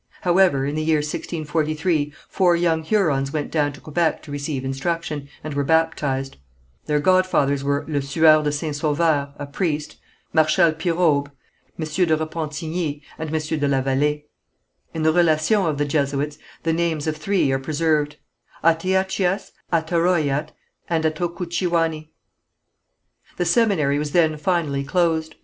However, in the year 1643 four young Hurons went down to Quebec to receive instruction, and were baptized. Their godfathers were LeSueur de St. Sauveur, a priest, Martial Piraube, M. de Repentigny and M. de la Vallée. In the Relations of the Jesuits the names of three are preserved: Ateiachias, Atarohiat, and Atokouchioüani. The seminary was then finally closed.